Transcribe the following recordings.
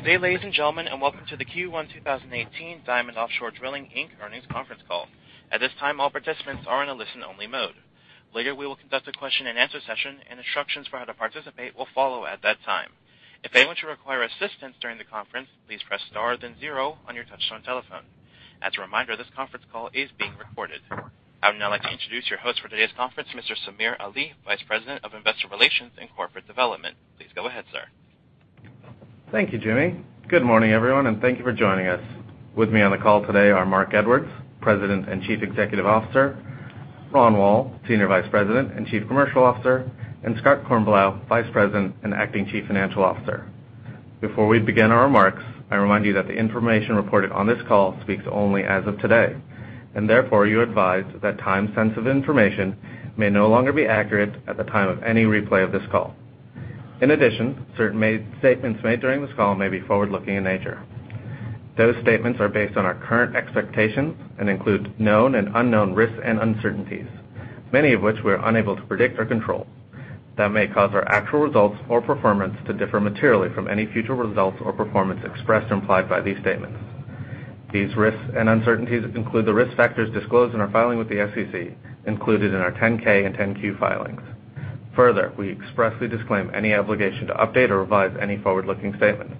Good day, ladies and gentlemen, and welcome to the Q1 2018 Diamond Offshore Drilling, Inc. earnings conference call. At this time, all participants are in a listen-only mode. Later, we will conduct a question-and-answer session, and instructions for how to participate will follow at that time. If anyone should require assistance during the conference, please press star then 0 on your touchtone telephone. As a reminder, this conference call is being recorded. I would now like to introduce your host for today's conference, Mr. Samir Ali, Vice President of Investor Relations and Corporate Development. Please go ahead, sir. Thank you, Jimmy. Good morning, everyone. Thank you for joining us. With me on the call today are Marc Edwards, President and Chief Executive Officer, Ronald Woll, Senior Vice President and Chief Commercial Officer, and Scott Kornblau, Vice President and Acting Chief Financial Officer. Before we begin our remarks, I remind you that the information reported on this call speaks only as of today. Therefore you're advised that time sensitive information may no longer be accurate at the time of any replay of this call. In addition, certain statements made during this call may be forward-looking in nature. Those statements are based on our current expectations and include known and unknown risks and uncertainties, many of which we are unable to predict or control, that may cause our actual results or performance to differ materially from any future results or performance expressed or implied by these statements. These risks and uncertainties include the risk factors disclosed in our filing with the SEC, included in our 10-K and 10-Q filings. Further, we expressly disclaim any obligation to update or revise any forward-looking statements.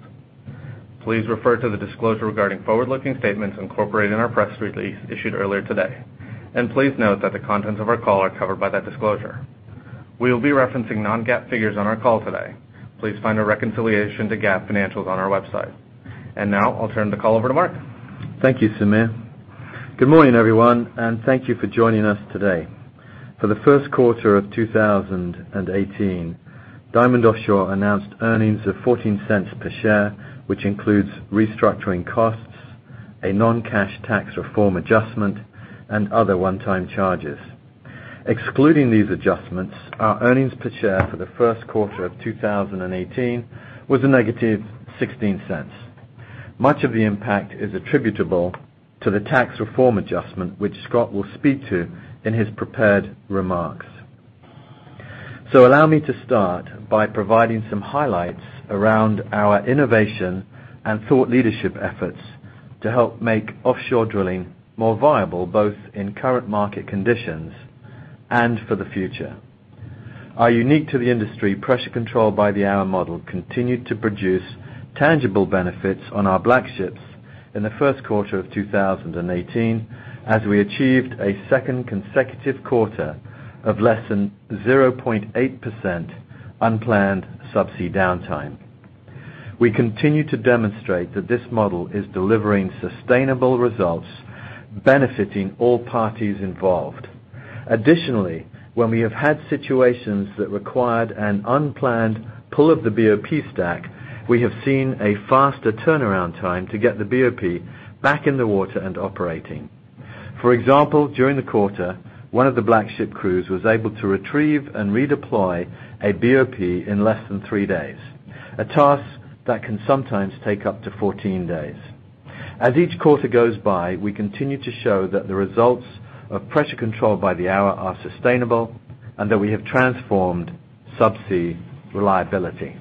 Please refer to the disclosure regarding forward-looking statements incorporated in our press release issued earlier today. Please note that the contents of our call are covered by that disclosure. We will be referencing non-GAAP figures on our call today. Please find a reconciliation to GAAP financials on our website. Now I'll turn the call over to Marc. Thank you, Samir. Good morning, everyone. Thank you for joining us today. For the first quarter of 2018, Diamond Offshore announced earnings of $0.14 per share, which includes restructuring costs, a non-cash tax reform adjustment, and other one-time charges. Excluding these adjustments, our earnings per share for the first quarter of 2018 was a negative $0.16. Much of the impact is attributable to the tax reform adjustment, which Scott will speak to in his prepared remarks. Allow me to start by providing some highlights around our innovation and thought leadership efforts to help make offshore drilling more viable, both in current market conditions and for the future. Our unique-to-the-industry Pressure Control by the Hour model continued to produce tangible benefits on our Black Ships in the first quarter of 2018, as we achieved a second consecutive quarter of less than 0.8% unplanned subsea downtime. We continue to demonstrate that this model is delivering sustainable results, benefiting all parties involved. Additionally, when we have had situations that required an unplanned pull of the BOP stack, we have seen a faster turnaround time to get the BOP back in the water and operating. For example, during the quarter, one of the Black Ships crews was able to retrieve and redeploy a BOP in less than three days, a task that can sometimes take up to 14 days. As each quarter goes by, we continue to show that the results of Pressure Control by the Hour are sustainable and that we have transformed subsea reliability.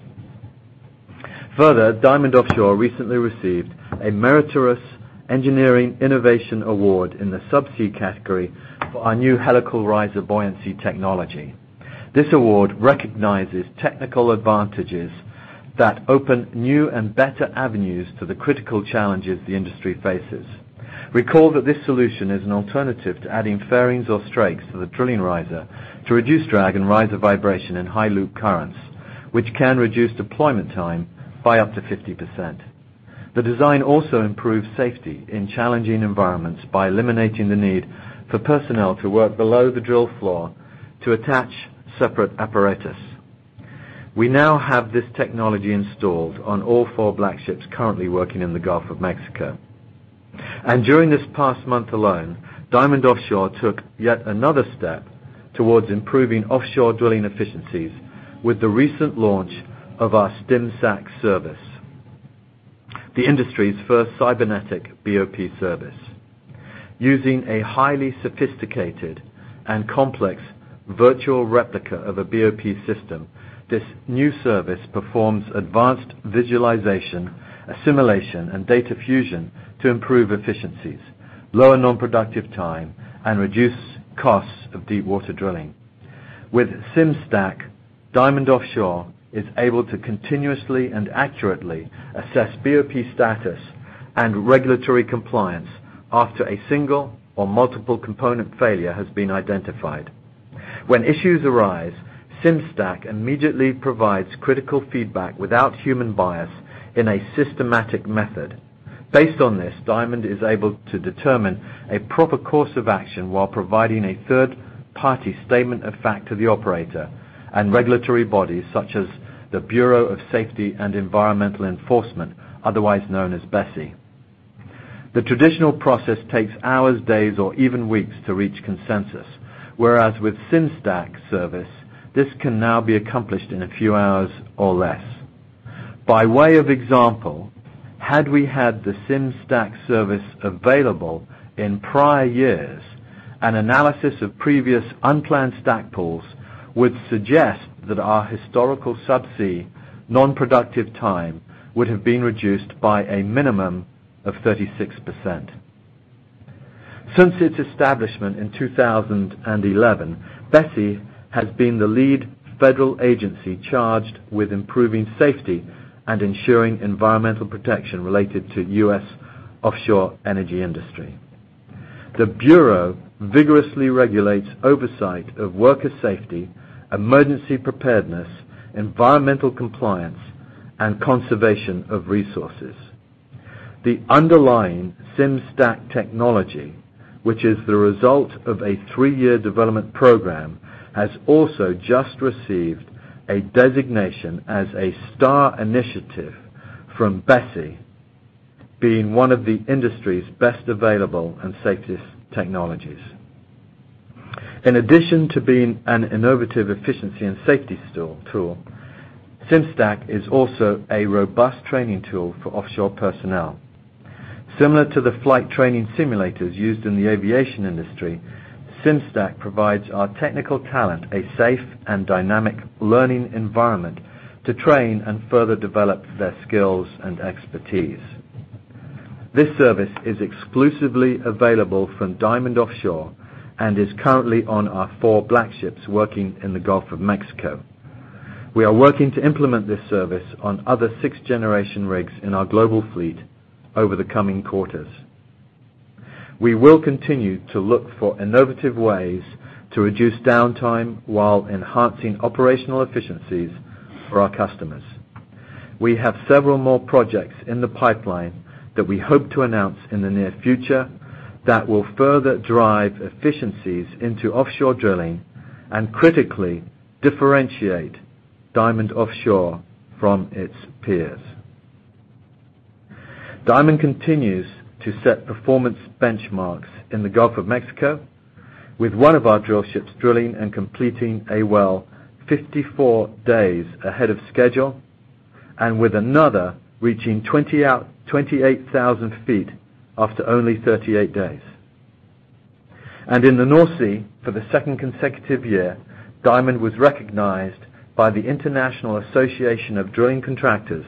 Further, Diamond Offshore recently received a Special Meritorious Awards for Engineering Innovation in the subsea category for our new Helical Riser Buoyancy technology. This award recognizes technical advantages that open new and better avenues to the critical challenges the industry faces. Recall that this solution is an alternative to adding fairings or strakes to the drilling riser to reduce drag and riser vibration in high loop currents, which can reduce deployment time by up to 50%. The design also improves safety in challenging environments by eliminating the need for personnel to work below the drill floor to attach separate apparatus. We now have this technology installed on all four Black Ships currently working in the Gulf of Mexico. During this past month alone, Diamond Offshore took yet another step towards improving offshore drilling efficiencies with the recent launch of our SimStack service, the industry's first cybernetic BOP service. Using a highly sophisticated and complex virtual replica of a BOP system, this new service performs advanced visualization, assimilation, and data fusion to improve efficiencies, lower non-productive time, and reduce costs of deep water drilling. With SimStack, Diamond Offshore is able to continuously and accurately assess BOP status and regulatory compliance after a single or multiple component failure has been identified. When issues arise, SimStack immediately provides critical feedback without human bias in a systematic method. Based on this, Diamond is able to determine a proper course of action while providing a third-party statement of fact to the operator and regulatory bodies such as the Bureau of Safety and Environmental Enforcement, otherwise known as BSEE. The traditional process takes hours, days, or even weeks to reach consensus, whereas with SimStack service, this can now be accomplished in a few hours or less. By way of example, had we had the SimStack service available in prior years, an analysis of previous unplanned stack pulls would suggest that our historical subsea non-productive time would have been reduced by a minimum of 36%. Since its establishment in 2011, BSEE has been the lead federal agency charged with improving safety and ensuring environmental protection related to U.S. offshore energy industry. The bureau vigorously regulates oversight of worker safety, emergency preparedness, environmental compliance, and conservation of resources. The underlying SimStack technology, which is the result of a three-year development program, has also just received a designation as a Star Initiative from BSEE, being one of the industry's best available and safest technologies. In addition to being an innovative efficiency and safety tool, SimStack is also a robust training tool for offshore personnel. Similar to the flight training simulators used in the aviation industry, SimStack provides our technical talent a safe and dynamic learning environment to train and further develop their skills and expertise. This service is exclusively available from Diamond Offshore and is currently on our four Black Ships working in the Gulf of Mexico. We are working to implement this service on other 6th-generation rigs in our global fleet over the coming quarters. We will continue to look for innovative ways to reduce downtime while enhancing operational efficiencies for our customers. We have several more projects in the pipeline that we hope to announce in the near future that will further drive efficiencies into offshore drilling and critically differentiate Diamond Offshore from its peers. Diamond continues to set performance benchmarks in the Gulf of Mexico with one of our drill ships drilling and completing a well 54 days ahead of schedule, and with another reaching 28,000 feet after only 38 days. In the North Sea, for the second consecutive year, Diamond was recognized by the International Association of Drilling Contractors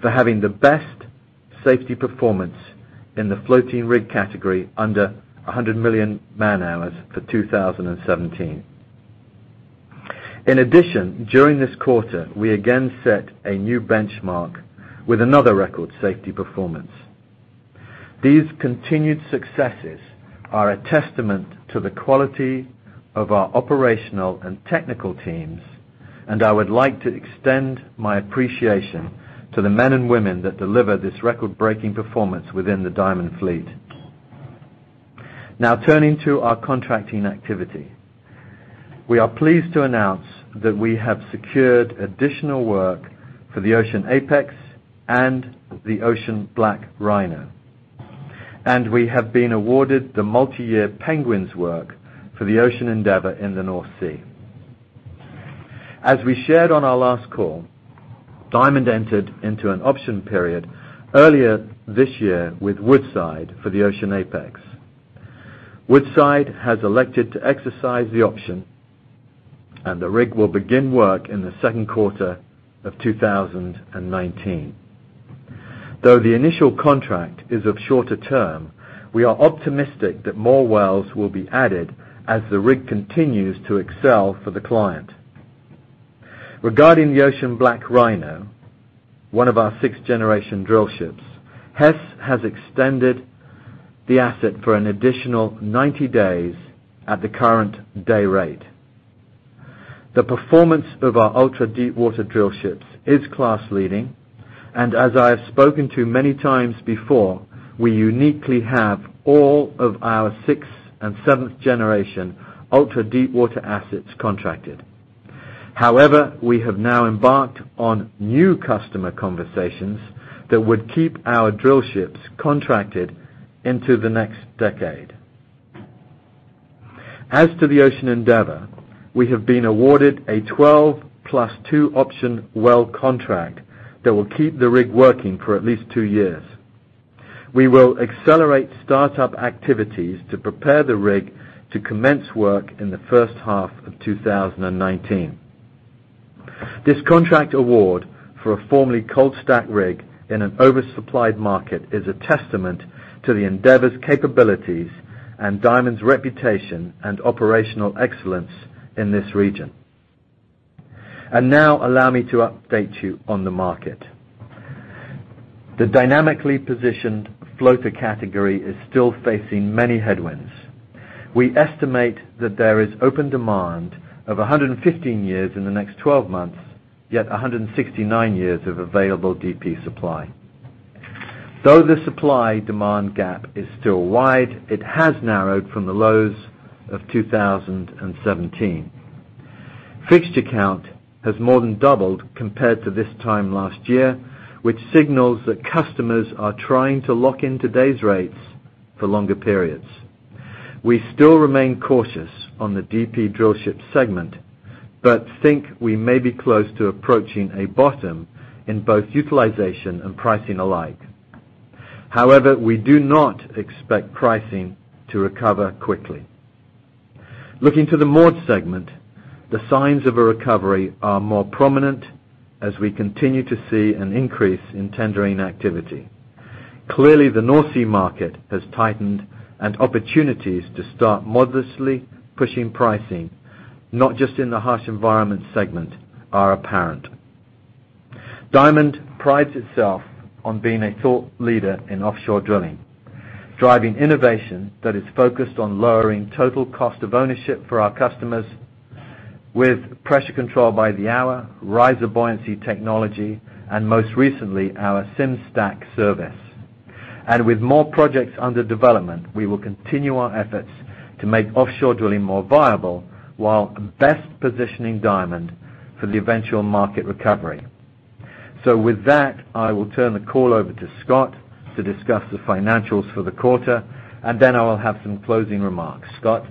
for having the best safety performance in the floating rig category under 100 million man-hours for 2017. In addition, during this quarter, we again set a new benchmark with another record safety performance. These continued successes are a testament to the quality of our operational and technical teams, and I would like to extend my appreciation to the men and women that deliver this record-breaking performance within the Diamond fleet. Now turning to our contracting activity. We are pleased to announce that we have secured additional work for the Ocean Apex and the Ocean BlackRhino. We have been awarded the multi-year Penguins work for the Ocean Endeavor in the North Sea. As we shared on our last call, Diamond entered into an option period earlier this year with Woodside for the Ocean Apex. Woodside has elected to exercise the option, and the rig will begin work in the second quarter of 2019. Though the initial contract is of shorter term, we are optimistic that more wells will be added as the rig continues to excel for the client. Regarding the Ocean BlackRhino, one of our 6th-generation drill ships, Hess has extended the asset for an additional 90 days at the current day rate. The performance of our ultra-deepwater drill ships is class-leading. As I have spoken to many times before, we uniquely have all of our 6th and 7th generation ultra-deepwater assets contracted. We have now embarked on new customer conversations that would keep our drill ships contracted into the next decade. As to the Ocean Endeavor, we have been awarded a 12 plus two option well contract that will keep the rig working for at least two years. We will accelerate startup activities to prepare the rig to commence work in the first half of 2019. This contract award for a formerly cold-stacked rig in an oversupplied market is a testament to the Endeavor's capabilities and Diamond's reputation and operational excellence in this region. Now allow me to update you on the market. The dynamically positioned floater category is still facing many headwinds. We estimate that there is open demand of 115 years in the next 12 months, yet 169 years of available DP supply. Though the supply-demand gap is still wide, it has narrowed from the lows of 2017. Fixture count has more than doubled compared to this time last year, which signals that customers are trying to lock in today's rates for longer periods. We still remain cautious on the DP drillship segment. We think we may be close to approaching a bottom in both utilization and pricing alike. We do not expect pricing to recover quickly. Looking to the moored segment, the signs of a recovery are more prominent as we continue to see an increase in tendering activity. Clearly, the North Sea market has tightened and opportunities to start modestly pushing pricing, not just in the harsh environment segment, are apparent. Diamond prides itself on being a thought leader in offshore drilling, driving innovation that is focused on lowering total cost of ownership for our customers with Pressure Control by the Hour, riser buoyancy technology, and most recently, our SimStack service. With more projects under development, we will continue our efforts to make offshore drilling more viable while best positioning Diamond for the eventual market recovery. With that, I will turn the call over to Scott to discuss the financials for the quarter, and then I will have some closing remarks. Scott?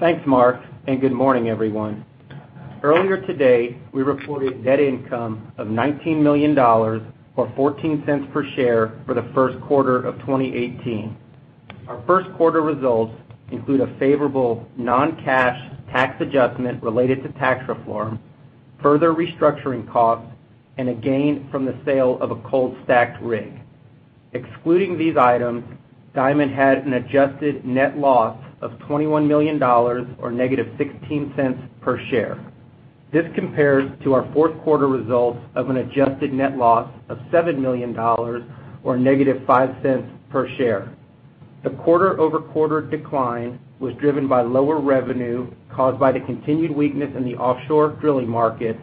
Thanks, Marc, and good morning, everyone. Earlier today, we reported net income of $19 million, or $0.14 per share for the first quarter of 2018. Our first quarter results include a favorable non-cash tax adjustment related to tax reform, further restructuring costs, and a gain from the sale of a cold-stacked rig. Excluding these items, Diamond had an adjusted net loss of $21 million, or negative $0.16 per share. This compares to our fourth quarter results of an adjusted net loss of $7 million, or negative $0.05 per share. The quarter-over-quarter decline was driven by lower revenue caused by the continued weakness in the offshore drilling market,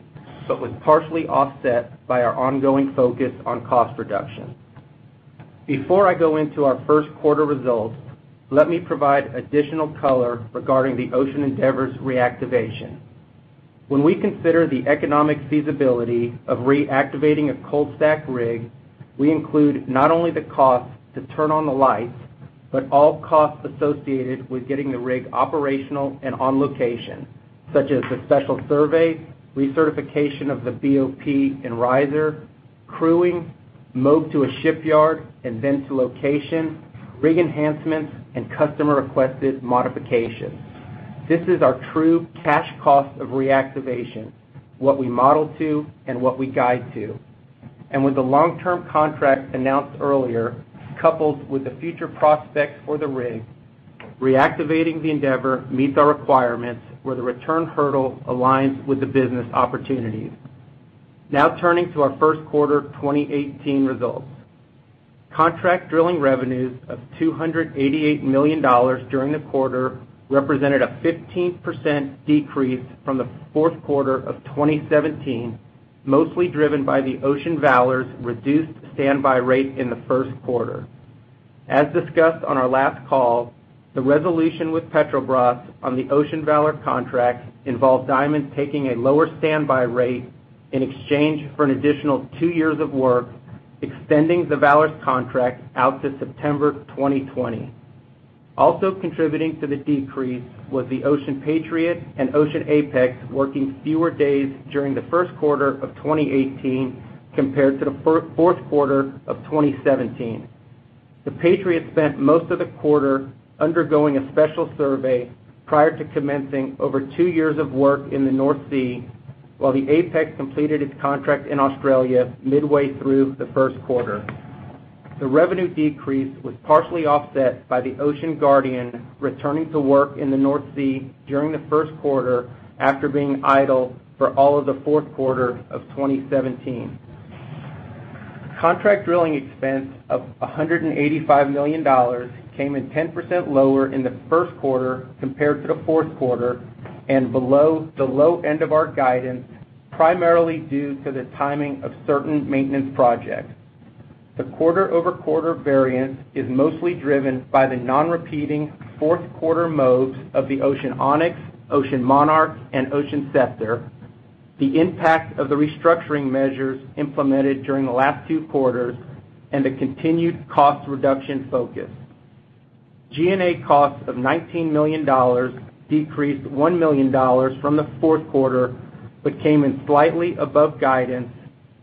but was partially offset by our ongoing focus on cost reduction. Before I go into our first quarter results, let me provide additional color regarding the Ocean Endeavor's reactivation. When we consider the economic feasibility of reactivating a cold-stacked rig, we include not only the cost to turn on the lights, but all costs associated with getting the rig operational and on location, such as the special survey, recertification of the BOP and riser, crewing, move to a shipyard and then to location, rig enhancements, and customer-requested modifications. This is our true cash cost of reactivation, what we model to and what we guide to. With the long-term contract announced earlier, coupled with the future prospects for the rig, reactivating the Endeavor meets our requirements where the return hurdle aligns with the business opportunity. Turning to our first quarter 2018 results. Contract drilling revenues of $288 million during the quarter represented a 15% decrease from the fourth quarter of 2017, mostly driven by the Ocean Valor's reduced standby rate in the first quarter. As discussed on our last call, the resolution with Petrobras on the Ocean Valor contract involved Diamond taking a lower standby rate in exchange for an additional two years of work, extending the Valor's contract out to September 2020. Also contributing to the decrease was the Ocean Patriot and Ocean Apex working fewer days during the first quarter of 2018 compared to the fourth quarter of 2017. The Patriot spent most of the quarter undergoing a special survey prior to commencing over two years of work in the North Sea, while the Apex completed its contract in Australia midway through the first quarter. The revenue decrease was partially offset by the Ocean Guardian returning to work in the North Sea during the first quarter after being idle for all of the fourth quarter of 2017. Contract drilling expense of $185 million came in 10% lower in the first quarter compared to the fourth quarter and below the low end of our guidance, primarily due to the timing of certain maintenance projects. The quarter-over-quarter variance is mostly driven by the non-repeating fourth quarter moves of the Ocean Onyx, Ocean Monarch, and Ocean Scepter, the impact of the restructuring measures implemented during the last two quarters, and the continued cost reduction focus. G&A costs of $19 million decreased $1 million from the fourth quarter, came in slightly above guidance,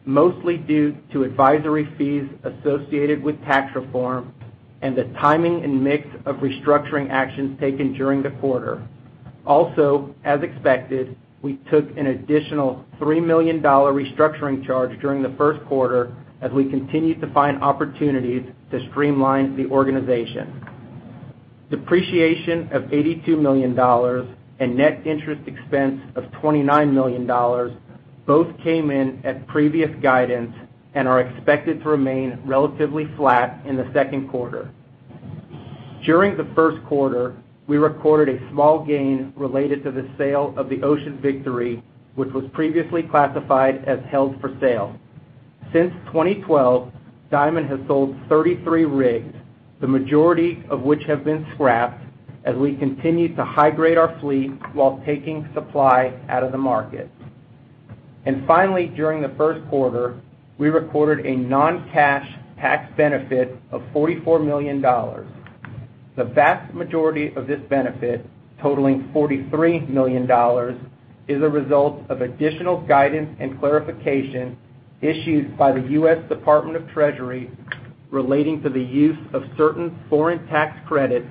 mostly due to advisory fees associated with tax reform and the timing and mix of restructuring actions taken during the quarter. As expected, we took an additional $3 million restructuring charge during the first quarter as we continued to find opportunities to streamline the organization. Depreciation of $82 million and net interest expense of $29 million both came in at previous guidance and are expected to remain relatively flat in the second quarter. During the first quarter, we recorded a small gain related to the sale of the Ocean Victory, which was previously classified as held for sale. Since 2012, Diamond has sold 33 rigs, the majority of which have been scrapped as we continue to high-grade our fleet while taking supply out of the market. Finally, during the first quarter, we recorded a non-cash tax benefit of $44 million. The vast majority of this benefit, totaling $43 million, is a result of additional guidance and clarification issued by the U.S. Department of the Treasury relating to the use of certain foreign tax credits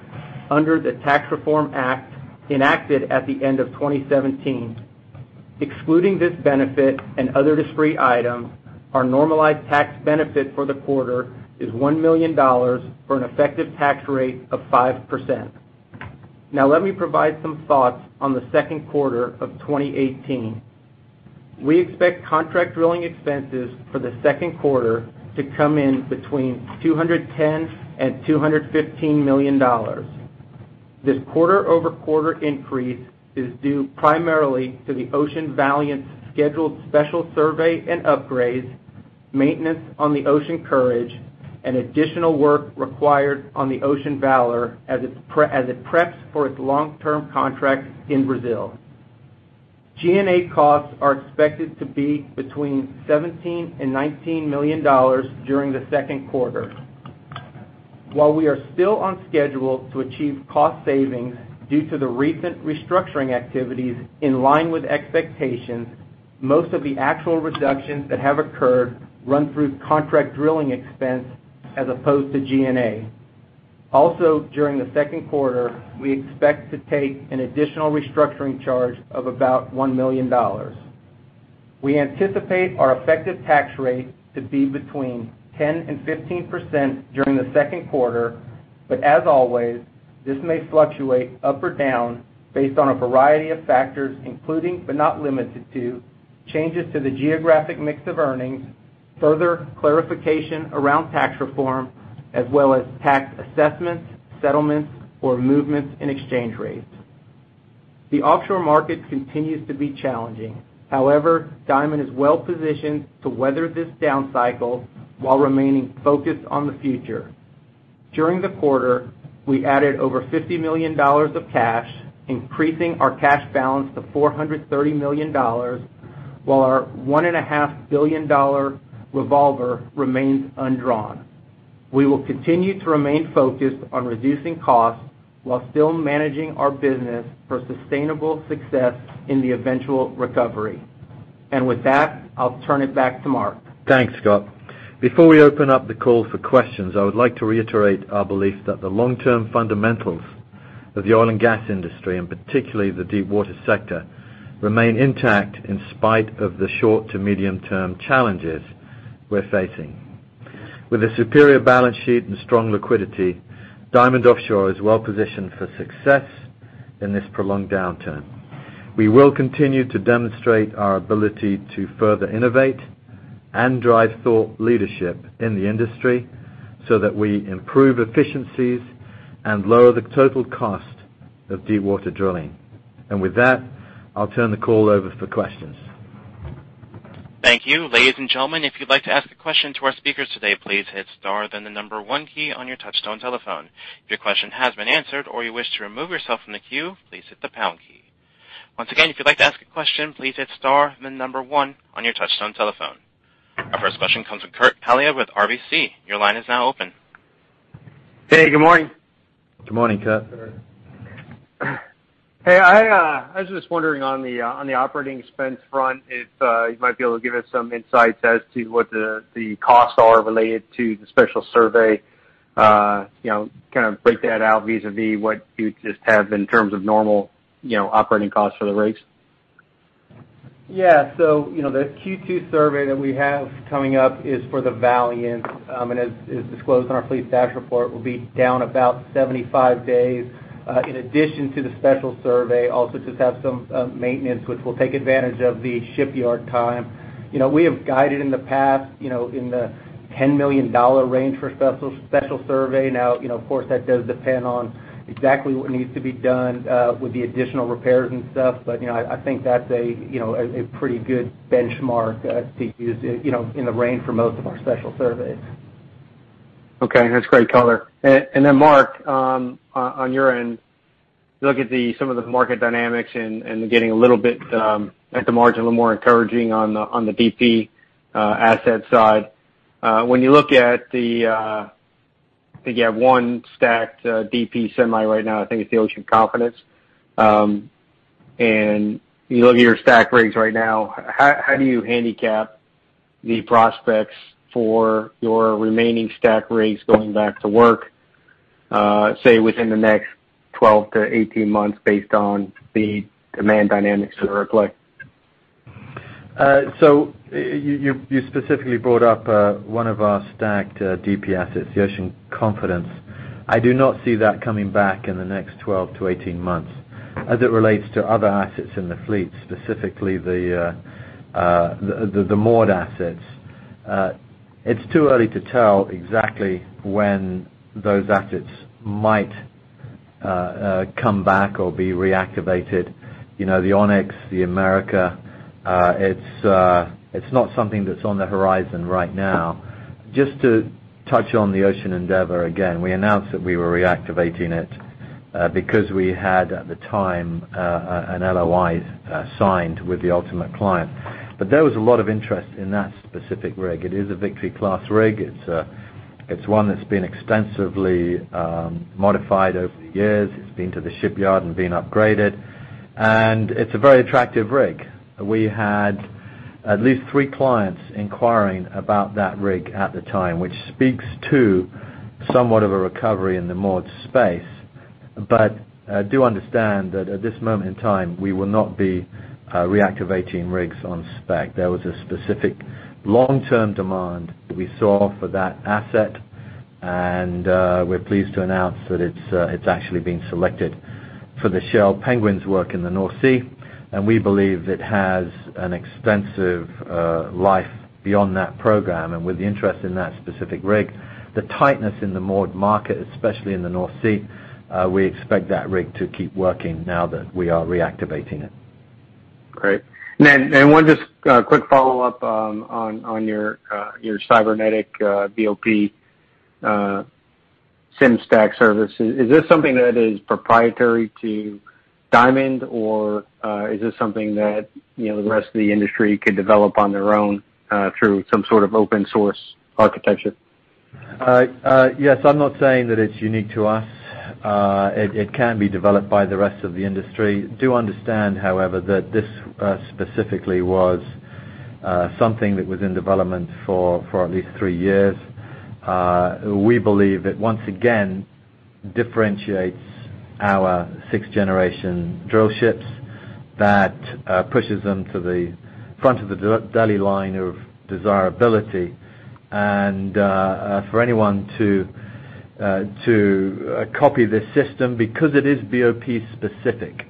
under the Tax Reform Act enacted at the end of 2017. Excluding this benefit and other discrete items, our normalized tax benefit for the quarter is $1 million for an effective tax rate of 5%. Let me provide some thoughts on the second quarter of 2018. We expect contract drilling expenses for the second quarter to come in between $210 million-$215 million. This quarter-over-quarter increase is due primarily to the Ocean Valiant's scheduled special survey and upgrades, maintenance on the Ocean Courage, and additional work required on the Ocean Valor as it preps for its long-term contract in Brazil. G&A costs are expected to be between $17 million-$19 million during the second quarter. While we are still on schedule to achieve cost savings due to the recent restructuring activities in line with expectations, most of the actual reductions that have occurred run through contract drilling expense as opposed to G&A. During the second quarter, we expect to take an additional restructuring charge of about $1 million. We anticipate our effective tax rate to be between 10%-15% during the second quarter, as always, this may fluctuate up or down based on a variety of factors, including, but not limited to, changes to the geographic mix of earnings, further clarification around tax reform, as well as tax assessments, settlements, or movements in exchange rates. The offshore market continues to be challenging. Diamond is well-positioned to weather this down cycle while remaining focused on the future. During the quarter, we added over $50 million of cash, increasing our cash balance to $430 million, while our $1.5 billion revolver remains undrawn. We will continue to remain focused on reducing costs while still managing our business for sustainable success in the eventual recovery. With that, I'll turn it back to Marc. Thanks, Scott. Before we open up the call for questions, I would like to reiterate our belief that the long-term fundamentals of the oil and gas industry, and particularly the deepwater sector, remain intact in spite of the short to medium-term challenges we're facing. With a superior balance sheet and strong liquidity, Diamond Offshore is well-positioned for success in this prolonged downturn. We will continue to demonstrate our ability to further innovate and drive thought leadership in the industry so that we improve efficiencies and lower the total cost of deepwater drilling. With that, I'll turn the call over for questions. Thank you. Ladies and gentlemen, if you'd like to ask a question to our speakers today, please hit star then the number 1 key on your touchtone telephone. If your question has been answered or you wish to remove yourself from the queue, please hit the pound key. Once again, if you'd like to ask a question, please hit star then the number 1 on your touchtone telephone. Our first question comes from Kurt Hallead with RBC. Your line is now open. Hey, good morning. Good morning, Kurt. Hey, I was just wondering on the operating expense front if you might be able to give us some insights as to what the costs are related to the special survey. Kind of break that out vis-a-vis what you just have in terms of normal operating costs for the rigs. Yeah. The Q2 survey that we have coming up is for the Valiant, and as is disclosed in our fleet status report, will be down about 75 days. In addition to the special survey, also just have some maintenance which will take advantage of the shipyard time. We have guided in the past in the $10 million range for special survey. Of course, that does depend on exactly what needs to be done with the additional repairs and stuff. I think that's a pretty good benchmark to use in the range for most of our special surveys. Okay. That's great color. Then Marc, on your end, look at some of the market dynamics and getting a little bit at the margin, a little more encouraging on the DP asset side. When you look at the, I think you have one stacked DP semi right now, I think it's the Ocean Confidence. You look at your stacked rigs right now, how do you handicap the prospects for your remaining stacked rigs going back to work, say, within the next 12 to 18 months based on the demand dynamics that are at play? You specifically brought up one of our stacked DP assets, the Ocean Confidence. I do not see that coming back in the next 12 to 18 months. As it relates to other assets in the fleet, specifically the moored assets, it's too early to tell exactly when those assets might come back or be reactivated. The Ocean Onyx, the Ocean America, it's not something that's on the horizon right now. Just to touch on the Ocean Endeavor again, we announced that we were reactivating it because we had, at the time, an LOI signed with the ultimate client. But there was a lot of interest in that specific rig. It is a Victory-class rig. It's one that's been extensively modified over the years. It's been to the shipyard and been upgraded, and it's a very attractive rig. We had at least three clients inquiring about that rig at the time, which speaks to somewhat of a recovery in the moored space. But do understand that at this moment in time, we will not be reactivating rigs on spec. There was a specific long-term demand that we saw for that asset, and we're pleased to announce that it's actually been selected for the Shell Penguins work in the North Sea, and we believe it has an extensive life beyond that program. With the interest in that specific rig, the tightness in the moored market, especially in the North Sea, we expect that rig to keep working now that we are reactivating it. Great. Then one just quick follow-up on your cybernetic BOP SimStack service. Is this something that is proprietary to Diamond, or is this something that the rest of the industry could develop on their own through some sort of open source architecture? Yes. I'm not saying that it's unique to us. It can be developed by the rest of the industry. Do understand, however, that this specifically was something that was in development for at least three years. We believe it, once again, differentiates our 6th-generation drillships that pushes them to the front of the deli line of desirability. For anyone to copy this system, because it is BOP-specific,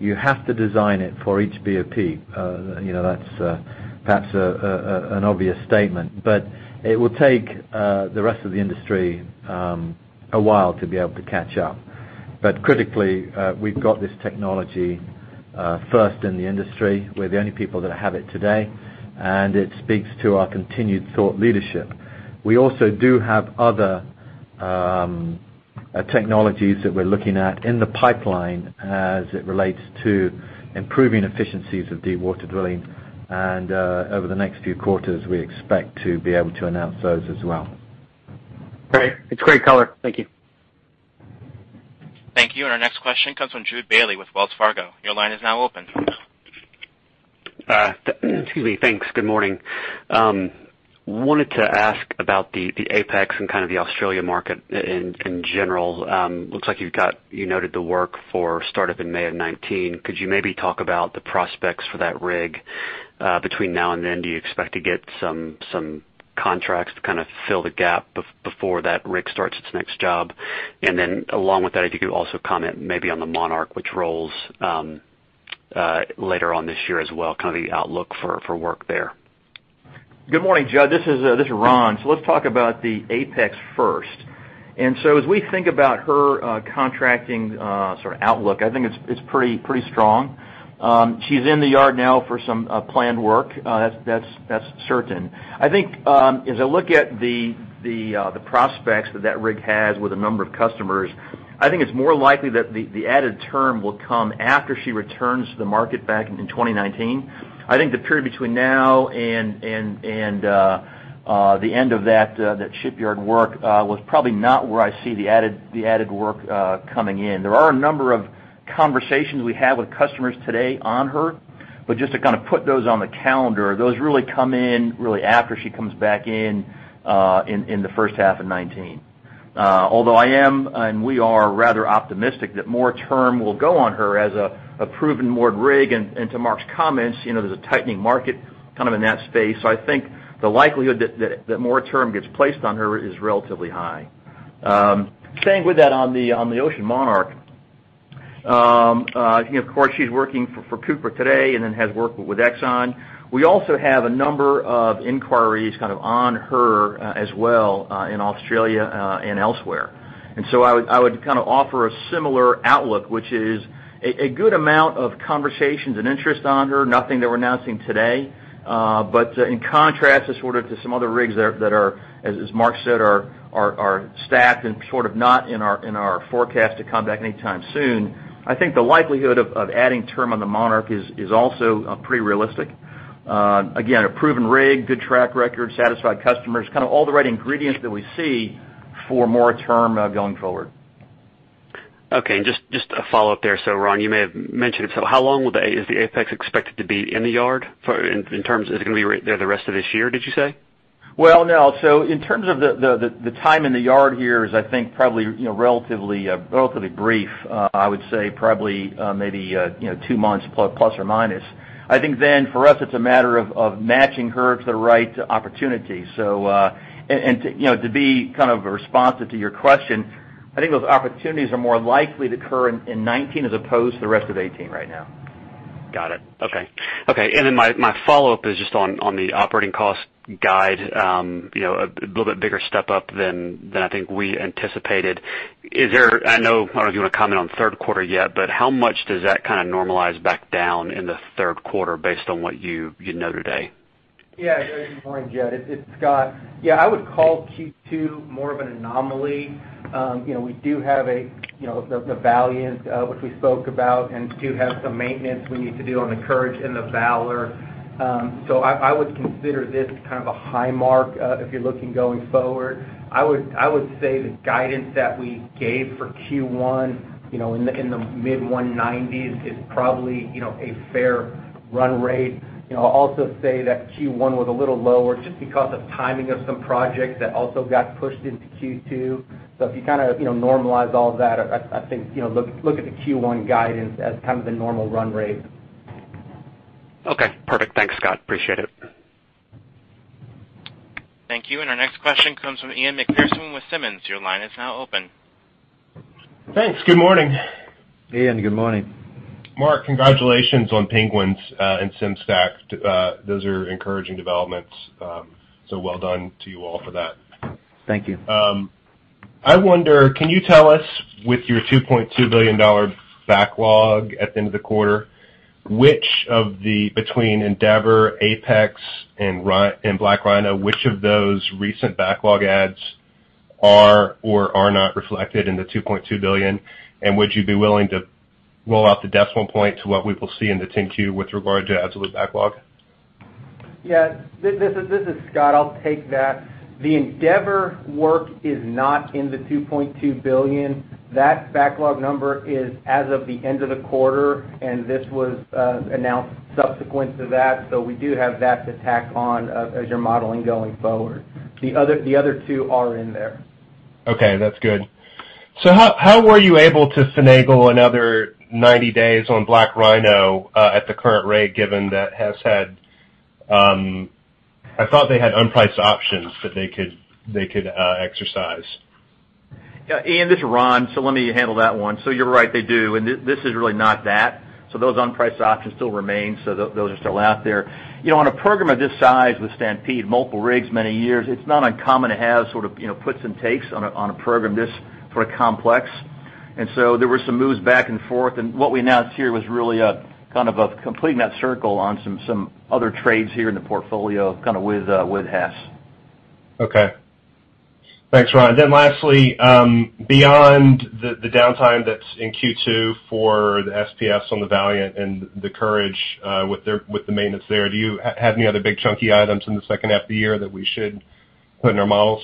you have to design it for each BOP. That's perhaps an obvious statement, but it will take the rest of the industry a while to be able to catch up. But critically, we've got this technology first in the industry. We're the only people that have it today, and it speaks to our continued thought leadership. We also do have other technologies that we're looking at in the pipeline as it relates to improving efficiencies of deep water drilling, and over the next few quarters, we expect to be able to announce those as well. Great. It's great color. Thank you. Thank you. Our next question comes from Jude Bailey with Wells Fargo. Your line is now open. Excuse me. Thanks. Good morning. Wanted to ask about the Apex and kind of the Australia market in general. Looks like you noted the work for startup in May of 2019. Could you maybe talk about the prospects for that rig between now and then? Do you expect to get some contracts to kind of fill the gap before that rig starts its next job? Along with that, if you could also comment maybe on the Monarch, which rolls later on this year as well, kind of the outlook for work there. Good morning, Jude. This is Ron. Let's talk about the Apex first. As we think about her contracting sort of outlook, I think it's pretty strong. She's in the yard now for some planned work. That's certain. I think as I look at the prospects that that rig has with a number of customers, I think it's more likely that the added term will come after she returns to the market back in 2019. I think the period between now and the end of that shipyard work was probably not where I see the added work coming in. There are a number of conversations we have with customers today on her, but just to kind of put those on the calendar, those really come in really after she comes back in the first half of 2019. Although I am, and we are rather optimistic that more term will go on her as a proven moored rig, and to Marc's comments, there's a tightening market kind of in that space. I think the likelihood that more term gets placed on her is relatively high. Staying with that on the Ocean Monarch. Of course, she's working for Cooper today and then has work with Exxon. We also have a number of inquiries kind of on her as well in Australia and elsewhere. I would kind of offer a similar outlook, which is a good amount of conversations and interest on her. Nothing that we're announcing today. In contrast to sort of to some other rigs that are, as Marc said, are stacked and sort of not in our forecast to come back anytime soon. I think the likelihood of adding term on the Monarch is also pretty realistic. Again, a proven rig, good track record, satisfied customers, kind of all the right ingredients that we see for more term going forward. Okay, just a follow-up there. Ron, you may have mentioned it. How long is the Apex expected to be in the yard? In terms, is it going to be there the rest of this year, did you say? Well, no. In terms of the time in the yard here is, I think, probably relatively brief. I would say probably maybe 2 months ±. For us, it's a matter of matching her to the right opportunity. To be kind of responsive to your question, I think those opportunities are more likely to occur in 2019 as opposed to the rest of 2018 right now. Got it. Okay. My follow-up is just on the operating cost guide. A little bit bigger step-up than I think we anticipated. I know you want to comment on third quarter yet, how much does that kind of normalize back down in the third quarter based on what you know today? Good morning, Jude. It's Scott. I would call Q2 more of an anomaly. We do have the Valiant, which we spoke about, and do have some maintenance we need to do on the Courage and the Valor. I would consider this kind of a high mark if you're looking going forward. I would say the guidance that we gave for Q1 in the mid 190s is probably a fair run rate. I'll also say that Q1 was a little lower just because of timing of some projects that also got pushed into Q2. If you normalize all of that, I think look at the Q1 guidance as kind of the normal run rate. Okay, perfect. Thanks, Scott. Appreciate it. Thank you. Our next question comes from Ian Macpherson with Simmons. Your line is now open. Thanks. Good morning. Ian, good morning. Marc, congratulations on Penguins and SimStack. Those are encouraging developments, so well done to you all for that. Thank you. I wonder, can you tell us with your $2.2 billion backlog at the end of the quarter, between Ocean Endeavor, Ocean Apex, and Ocean BlackRhino, which of those recent backlog adds are or are not reflected in the $2.2 billion? Would you be willing to roll out the decimal point to what we will see in the 10-Q with regard to absolute backlog? Yeah. This is Scott. I'll take that. The Ocean Endeavor work is not in the $2.2 billion. That backlog number is as of the end of the quarter, and this was announced subsequent to that. We do have that to tack on as you're modeling going forward. The other two are in there. Okay, that's good. How were you able to finagle another 90 days on Ocean BlackRhino at the current rate, given that Hess had I thought they had unpriced options that they could exercise. Ian, this is Ron, let me handle that one. You're right, they do, this is really not that. Those unpriced options still remain. Those are still out there. On a program of this size with Stampede, multiple rigs, many years, it's not uncommon to have sort of puts and takes on a program this sort of complex. There were some moves back and forth, what we announced here was really kind of completing that circle on some other trades here in the portfolio, kind of with Hess. Okay. Thanks, Ron. Lastly, beyond the downtime that's in Q2 for the SPS on the Valiant and the Courage with the maintenance there, do you have any other big chunky items in the second half of the year that we should put in our models?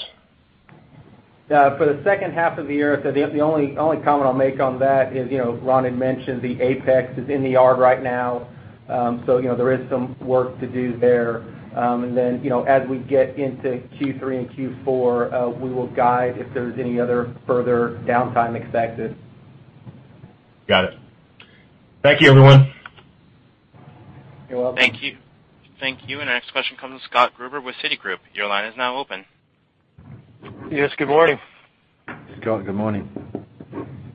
For the second half of the year, the only comment I'll make on that is Ron had mentioned the Apex is in the yard right now. There is some work to do there. As we get into Q3 and Q4 we will guide if there's any other further downtime expected. Got it. Thank you, everyone. You're welcome. Thank you. Thank you, our next question comes from Scott Gruber with Citigroup. Your line is now open. Yes, good morning. Scott, good morning.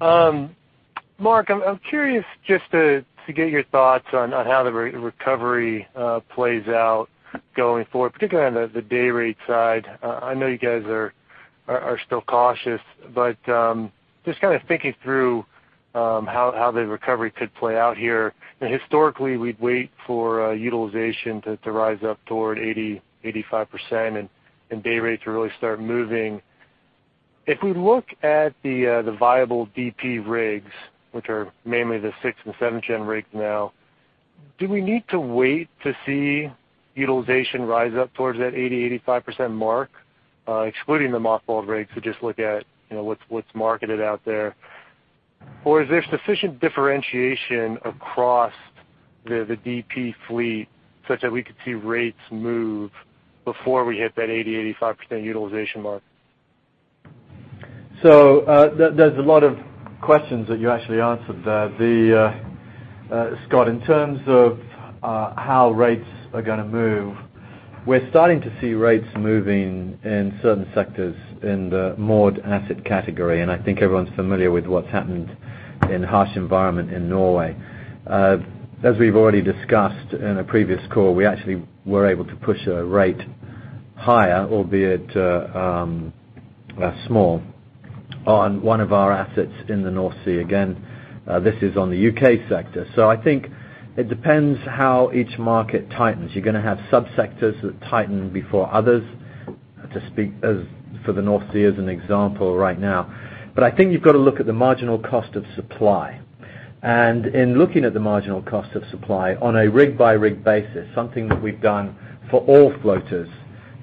Marc, I'm curious just to get your thoughts on how the recovery plays out going forward, particularly on the day rate side. I know you guys are still cautious, but just kind of thinking through how the recovery could play out here. Historically, we'd wait for utilization to rise up toward 80%-85%, and day rate to really start moving. If we look at the viable DP rigs, which are mainly the 6th- and 7th-gen rigs now, do we need to wait to see utilization rise up towards that 80%-85% mark, excluding the mothballed rigs to just look at what's marketed out there? Or is there sufficient differentiation across the DP fleet such that we could see rates move before we hit that 80%-85% utilization mark? There's a lot of questions that you actually answered there. Scott, in terms of how rates are gonna move, we're starting to see rates moving in certain sectors in the moored asset category, and I think everyone's familiar with what's happened in harsh environment in Norway. As we've already discussed in a previous call, we actually were able to push a rate higher, albeit small, on one of our assets in the North Sea. Again, this is on the U.K. sector. I think it depends how each market tightens. You're gonna have sub-sectors that tighten before others, to speak for the North Sea as an example right now. I think you've got to look at the marginal cost of supply. In looking at the marginal cost of supply on a rig-by-rig basis, something that we've done for all floaters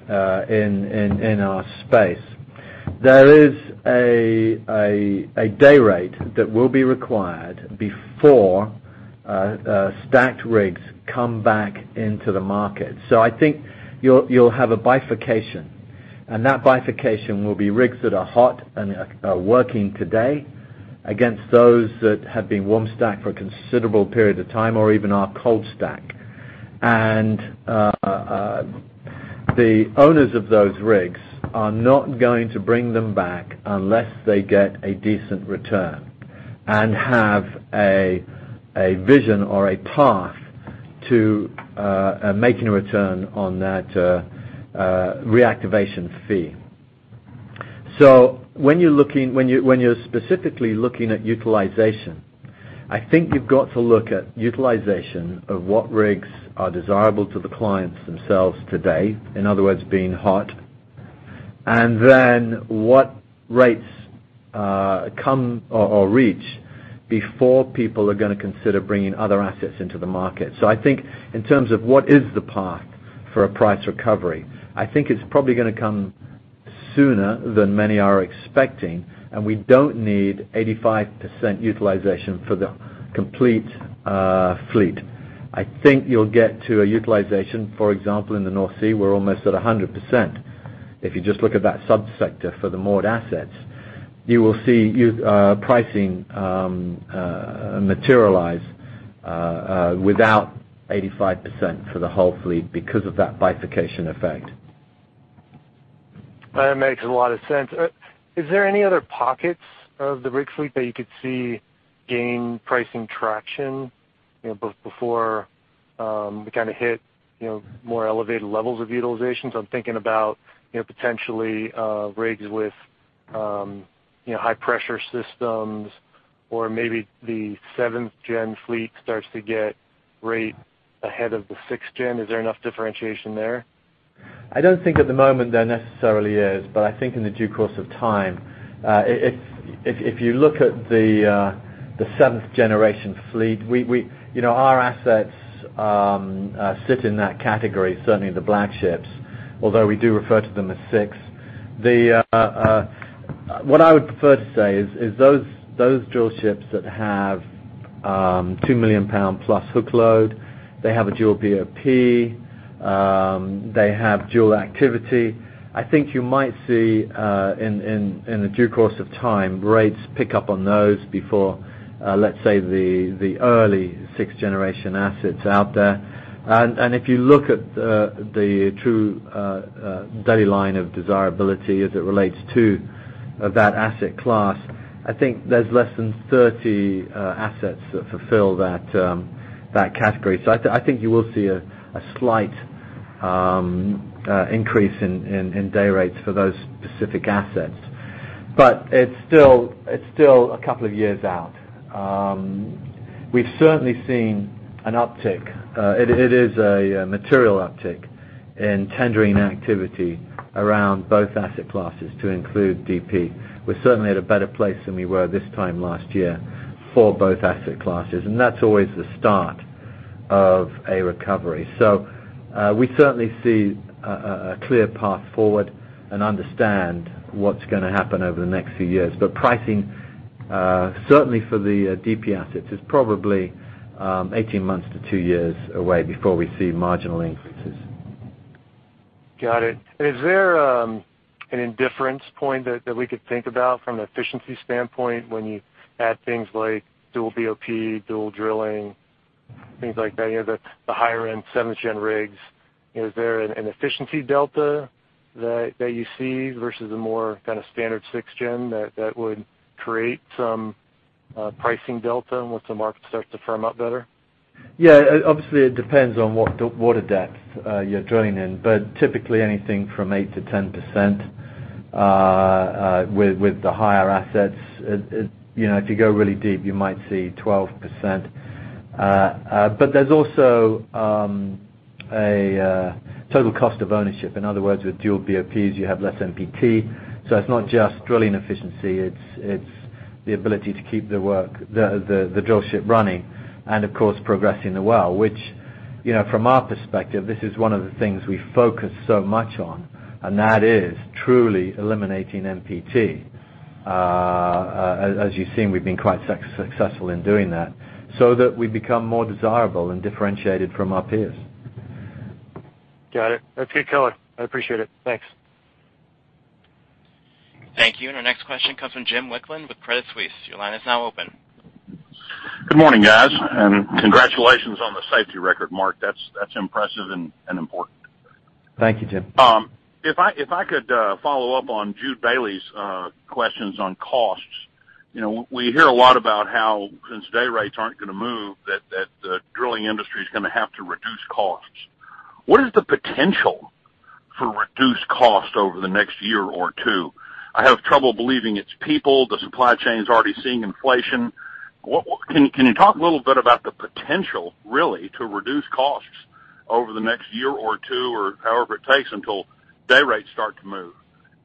in our space, there is a day rate that will be required before stacked rigs come back into the market. I think you'll have a bifurcation, and that bifurcation will be rigs that are hot and are working today against those that have been warm stacked for a considerable period of time or even are cold stacked. The owners of those rigs are not going to bring them back unless they get a decent return and have a vision or a path to making a return on that reactivation fee. When you're specifically looking at utilization, I think you've got to look at utilization of what rigs are desirable to the clients themselves today, in other words, being hot. Then what rates come or reach before people are going to consider bringing other assets into the market. I think in terms of what is the path for a price recovery, I think it's probably going to come sooner than many are expecting, and we don't need 85% utilization for the complete fleet. I think you'll get to a utilization, for example, in the North Sea, we're almost at 100%. If you just look at that sub-sector for the moored assets, you will see pricing materialize without 85% for the whole fleet because of that bifurcation effect. That makes a lot of sense. Is there any other pockets of the rig fleet that you could see gain pricing traction before we hit more elevated levels of utilization? I'm thinking about potentially rigs with high pressure systems or maybe the 7th-gen fleet starts to get rate ahead of the 6th-gen. Is there enough differentiation there? I don't think at the moment there necessarily is. I think in the due course of time, if you look at the 7th-generation fleet, our assets sit in that category, certainly the Black Ships, although we do refer to them as 6th. What I would prefer to say is those drillships that have 2 million pound-plus hook load, they have a dual BOP, they have dual activity. I think you might see, in the due course of time, rates pick up on those before, let's say, the early 6th-generation assets out there. If you look at the true daily line of desirability as it relates to that asset class, I think there's less than 30 assets that fulfill that category. I think you will see a slight increase in day rates for those specific assets. It's still a couple of years out. We've certainly seen an uptick. It is a material uptick in tendering activity around both asset classes to include DP. We're certainly at a better place than we were this time last year for both asset classes, and that's always the start of a recovery. We certainly see a clear path forward and understand what's going to happen over the next few years. Pricing, certainly for the DP assets, is probably 18 months to two years away before we see marginal increases. Got it. Is there an indifference point that we could think about from an efficiency standpoint when you add things like dual BOP, dual drilling, things like that, the higher-end 7th-gen rigs? Is there an efficiency delta that you see versus a more standard 6th-gen that would create some pricing delta once the market starts to firm up better? Yeah, obviously, it depends on what water depth you're drilling in, but typically anything from 8%-10% with the higher assets. If you go really deep, you might see 12%. There's also a total cost of ownership. In other words, with dual BOPs, you have less NPT. It's not just drilling efficiency, it's the ability to keep the drillship running and of course, progressing the well. Which from our perspective, this is one of the things we focus so much on, and that is truly eliminating NPT. As you've seen, we've been quite successful in doing that so that we become more desirable and differentiated from our peers. Got it. That's good color. I appreciate it. Thanks. Thank you. Our next question comes from James Wicklund with Credit Suisse. Your line is now open. Good morning, guys. Congratulations on the safety record, Marc. That's impressive and important. Thank you, Jim. If I could follow up on Jude Bailey's questions on costs. We hear a lot about how, since day rates aren't going to move, that the drilling industry is going to have to reduce costs. What is the potential for reduced cost over the next year or two? I have trouble believing it's people. The supply chain's already seeing inflation. Can you talk a little bit about the potential, really, to reduce costs over the next year or two or however it takes until day rates start to move?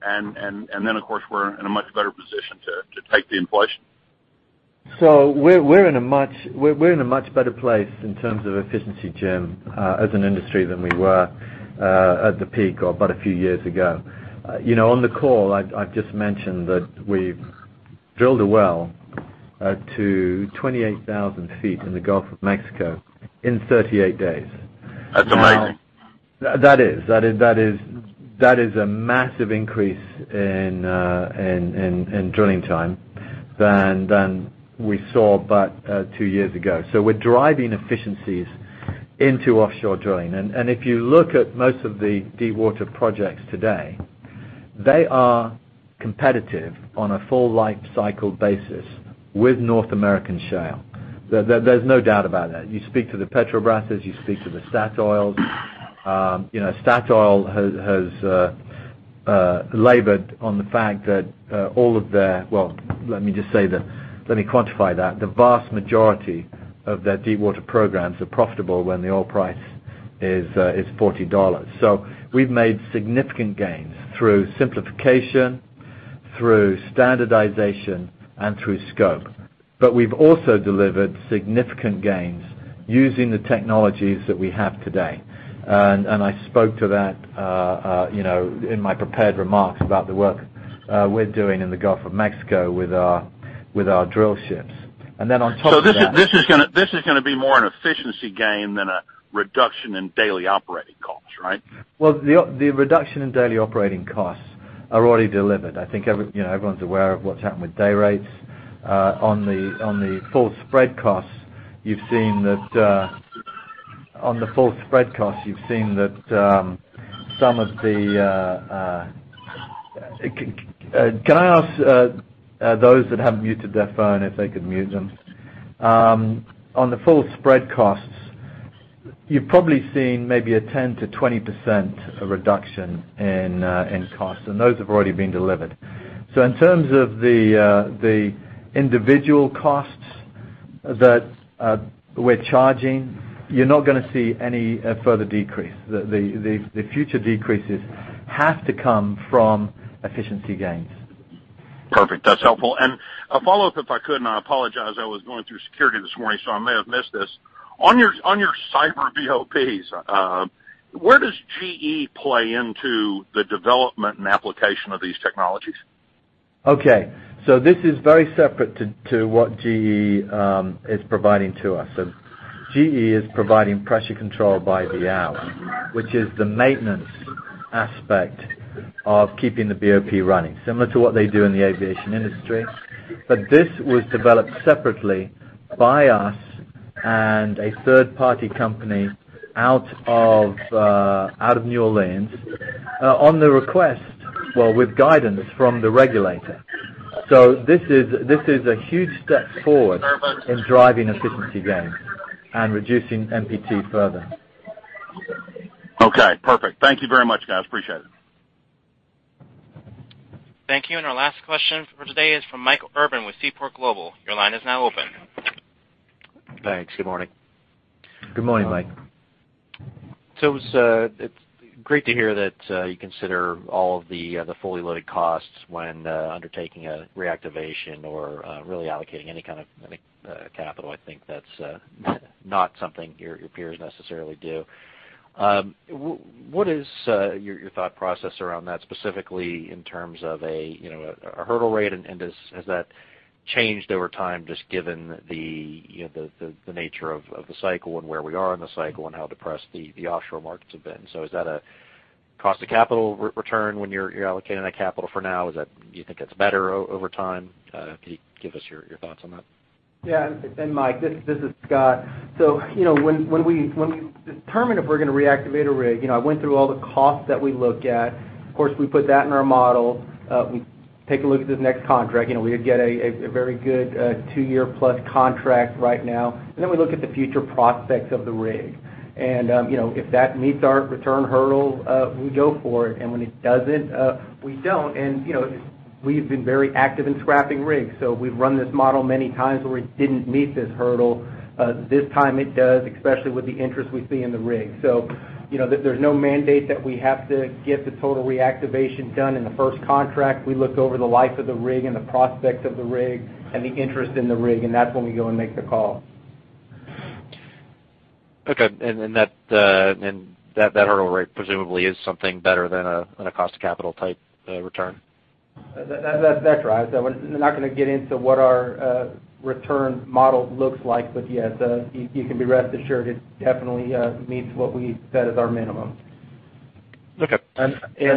Then, of course, we're in a much better position to take the inflation. We're in a much better place in terms of efficiency, Jim, as an industry than we were at the peak or about a few years ago. On the call, I've just mentioned that we've drilled a well to 28,000 feet in the Gulf of Mexico in 38 days. That's amazing. That is a massive increase in drilling time than we saw about two years ago. We're driving efficiencies into offshore drilling. If you look at most of the deepwater projects today, they are competitive on a full life cycle basis with North American shale. There's no doubt about that. You speak to the Petrobras, you speak to the Statoil. Statoil has labored on the fact that Well, let me quantify that. The vast majority of their deepwater programs are profitable when the oil price is $40. We've made significant gains through simplification, through standardization, and through scope. We've also delivered significant gains using the technologies that we have today. I spoke to that in my prepared remarks about the work we're doing in the Gulf of Mexico with our drillships. On top of that. This is going to be more an efficiency gain than a reduction in daily operating costs, right? Well, the reduction in daily operating costs are already delivered. I think everyone's aware of what's happened with day rates. Can I ask those that have muted their phone if they could mute them? On the full spread costs, you've probably seen maybe a 10%-20% reduction in costs, and those have already been delivered. In terms of the individual costs that we're charging, you're not going to see any further decrease. The future decreases have to come from efficiency gains. Perfect. That's helpful. A follow-up if I could, I apologize, I was going through security this morning, I may have missed this. On your cyber BOPs, where does GE play into the development and application of these technologies? This is very separate to what GE is providing to us. GE is providing Pressure Control by the Hour, which is the maintenance aspect of keeping the BOP running, similar to what they do in the aviation industry. This was developed separately by us and a third-party company out of New Orleans on the request, well, with guidance from the regulator. This is a huge step forward in driving efficiency gains and reducing NPT further. Okay, perfect. Thank you very much, guys. Appreciate it. Thank you. Our last question for today is from Michael Urban with Seaport Global. Your line is now open. Thanks. Good morning. Good morning, Mike. It's great to hear that you consider all of the fully loaded costs when undertaking a reactivation or really allocating any kind of capital. I think that's not something your peers necessarily do. What is your thought process around that, specifically in terms of a hurdle rate, and has that changed over time just given the nature of the cycle and where we are in the cycle and how depressed the offshore markets have been? Is that a cost of capital return when you're allocating that capital for now? Do you think it's better over time? Can you give us your thoughts on that? Yeah. Mike, this is Scott. When we determine if we're going to reactivate a rig, I went through all the costs that we look at. Of course, we put that in our model. We take a look at this next contract. We would get a very good two-year plus contract right now. Then we look at the future prospects of the rig. If that meets our return hurdle, we go for it. When it doesn't, we don't. We've been very active in scrapping rigs. We've run this model many times where we didn't meet this hurdle. This time it does, especially with the interest we see in the rig. There's no mandate that we have to get the total reactivation done in the first contract. We look over the life of the rig and the prospects of the rig and the interest in the rig, and that's when we go and make the call. Okay. That hurdle rate presumably is something better than a cost of capital type return? That's right. We're not going to get into what our return model looks like. Yes, you can be rest assured it definitely meets what we set as our minimum. Okay.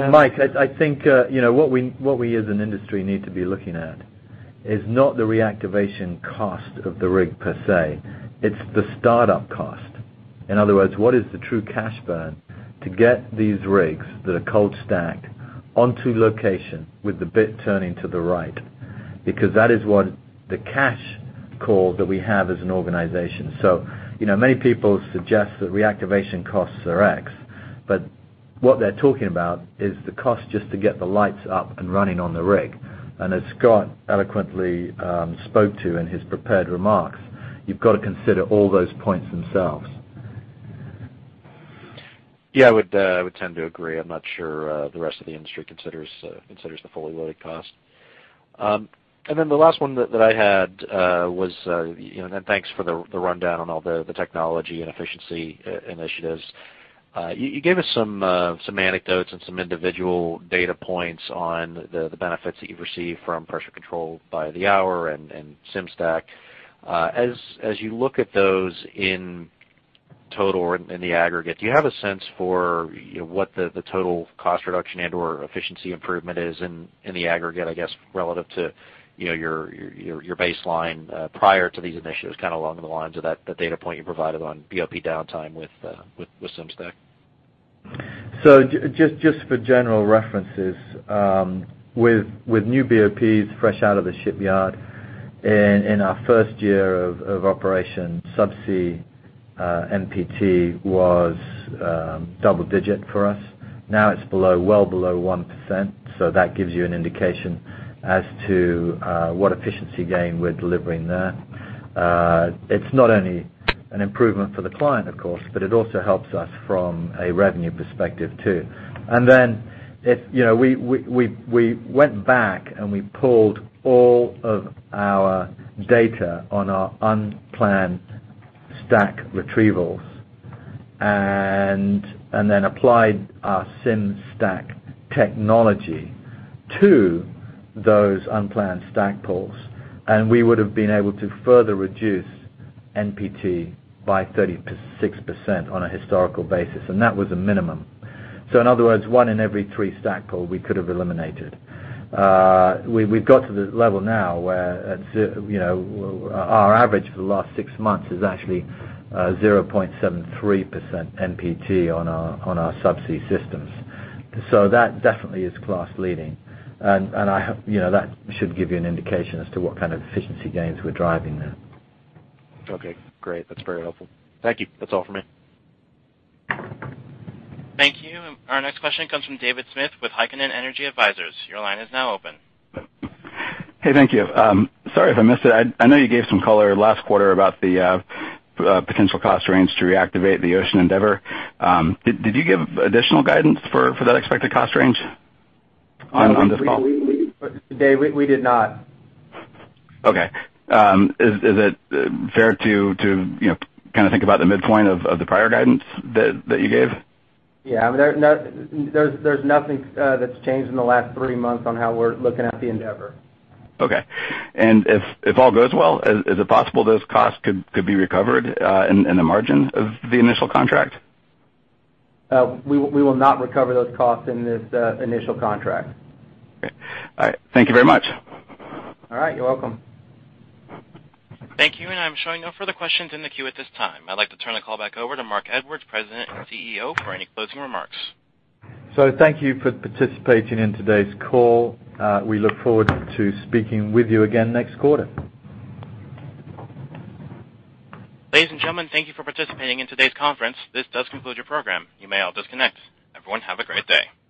Mike, I think what we as an industry need to be looking at is not the reactivation cost of the rig per se. It's the startup cost. In other words, what is the true cash burn to get these rigs that are cold stacked onto location with the bit turning to the right? Because that is what the cash call that we have as an organization. Many people suggest that reactivation costs are X, but what they're talking about is the cost just to get the lights up and running on the rig. As Scott eloquently spoke to in his prepared remarks, you've got to consider all those points themselves. Yeah, I would tend to agree. I'm not sure the rest of the industry considers the fully loaded cost. The last one that I had, thanks for the rundown on all the technology and efficiency initiatives. You gave us some anecdotes and some individual data points on the benefits that you've received from Pressure Control by the Hour and Sim-Stack. As you look at those in total or in the aggregate, do you have a sense for what the total cost reduction and/or efficiency improvement is in the aggregate, I guess, relative to your baseline prior to these initiatives, along the lines of that data point you provided on BOP downtime with Sim-Stack? Just for general references, with new BOPs fresh out of the shipyard in our first year of operation subsea NPT was double-digit for us. Now it's well below 1%, so that gives you an indication as to what efficiency gain we're delivering there. It's not only an improvement for the client, of course, but it also helps us from a revenue perspective, too. We went back and we pulled all of our data on our unplanned stack retrievals and then applied our Sim-Stack technology to those unplanned stack pulls, and we would have been able to further reduce NPT by 36% on a historical basis, and that was a minimum. In other words, one in every three stack pull we could have eliminated. We've got to the level now where our average for the last six months is actually 0.73% NPT on our subsea systems. That definitely is class leading. That should give you an indication as to what kind of efficiency gains we're driving there. Great. That's very helpful. Thank you. That's all for me. Thank you. Our next question comes from David Smith with Heikkinen Energy Advisors. Your line is now open. Hey, thank you. Sorry if I missed it. I know you gave some color last quarter about the potential cost range to reactivate the Ocean Endeavor. Did you give additional guidance for that expected cost range on this call? Dave, we did not. Okay. Is it fair to think about the midpoint of the prior guidance that you gave? Yeah, there's nothing that's changed in the last three months on how we're looking at the Endeavor. Okay. If all goes well, is it possible those costs could be recovered in the margin of the initial contract? We will not recover those costs in this initial contract. Okay. All right. Thank you very much. All right. You're welcome. Thank you. I'm showing no further questions in the queue at this time. I'd like to turn the call back over to Marc Edwards, President and CEO, for any closing remarks. Thank you for participating in today's call. We look forward to speaking with you again next quarter. Ladies and gentlemen, thank you for participating in today's conference. This does conclude your program. You may all disconnect. Everyone, have a great day.